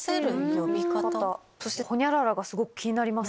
そしてホニャララが気になります。